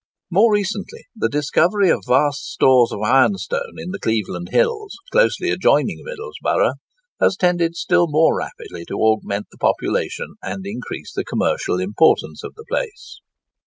More recently, the discovery of vast stores of ironstone in the Cleveland Hills, closely adjoining Middlesborough, has tended still more rapidly to augment the population and increase the commercial importance of the place.